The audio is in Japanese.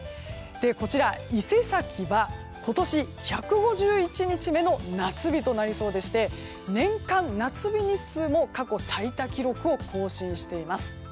こちら、伊勢崎は今年１５１日目の夏日となりそうで年間夏日日数も過去最多記録を更新しています。